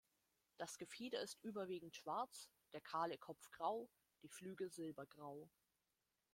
Das Gefieder ist überwiegend schwarz, der kahle Kopf grau, die Flügel silbergrau.